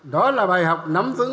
đó là bài học nắm vững